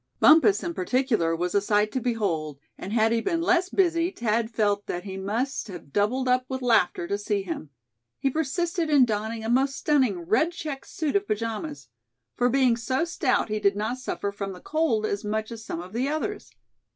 Bumpus, in particular, was a sight to behold, and had he been less busy Thad felt that he must have doubled up with laughter to see him. He persisted in donning a most stunning red checked suit of pajamas; for being so stout he did not suffer from the cold as much as some of the others.